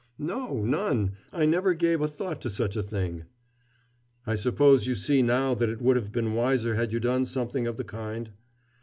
"No, none. I never gave a thought to such a thing." "I suppose you see now that it would have been wiser had you done something of the kind?"